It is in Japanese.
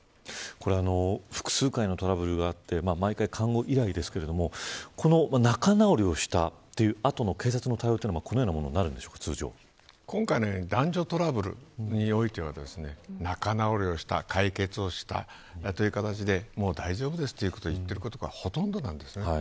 複数回のトラブルがあって毎回、監護依頼ですが仲直りをしたという後の警察の対応はこのようになるんでしょうか今回のような男女トラブルにおいては仲直りをした、解決をしたという形で大丈夫ですと言っていることがほとんどです。